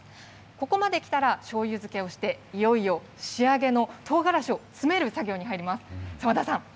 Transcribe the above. ここまで来たら、しょうゆ漬けをして、いよいよ仕上げの唐辛子を詰める作業に入ります。